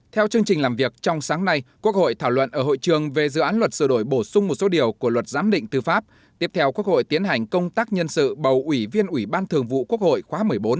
theo chương trình làm việc trong sáng nay quốc hội thảo luận ở hội trường về dự án luật sửa đổi bổ sung một số điều của luật giám định tư pháp tiếp theo quốc hội tiến hành công tác nhân sự bầu ủy viên ủy ban thường vụ quốc hội khóa một mươi bốn